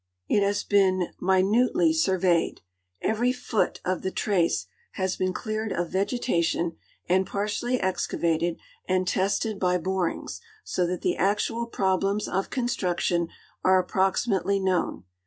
It has been minutely surveyed. Every ^foot of the " trace " has been cleared of vegetation and ]mrtially excavated and tested I)v ])onngs, so that the actual problems of construction are ap proximately known.